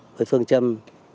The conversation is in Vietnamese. với phương châm